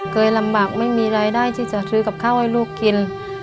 เคยลำบากไม่มีรายได้ที่จะซื้อกับข้าวให้ลูกกิน